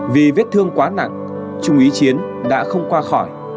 vì vết thương quá nặng trung ý chiến đã không qua khỏi